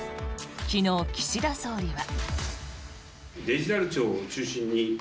昨日、岸田総理は。